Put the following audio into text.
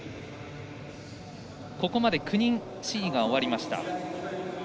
ここまで９人試技が終わりました。